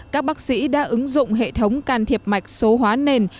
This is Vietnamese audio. các bác sĩ đã ứng dụng hệ thống can thiệp mạch số hóa nền